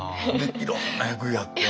いろんな役やって。